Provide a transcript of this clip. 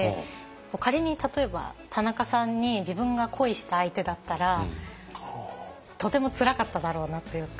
仮に例えば田中さんに自分が恋した相手だったらとてもつらかっただろうなというか。